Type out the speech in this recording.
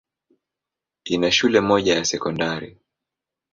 Ina shule moja ya sekondari.